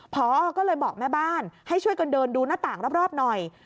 พอก็เลยบอกแม่บ้านให้ช่วยกันเดินดูหน้าต่างรอบหน่อย